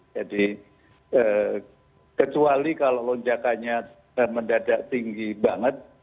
jadi kecuali kalau lonjakannya mendadak tinggi banget